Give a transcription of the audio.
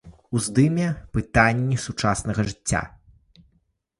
Уздыме пытанні сучаснага жыцця.